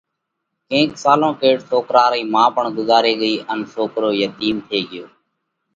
ڪينڪ سالون ڪيڙ سوڪرا رئِي مان پڻ ڳُزاري ڳئِي ان سوڪرو يتِيم ٿي ڳيو۔